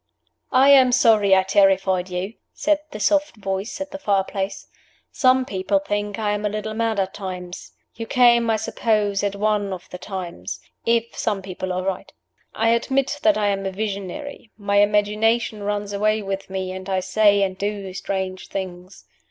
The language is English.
"I am sorry I terrified you," said the soft voice at the fire place. "Some people think I am a little mad at times. You came, I suppose, at one of the times if some people are right. I admit that I am a visionary. My imagination runs away with me, and I say and do strange things.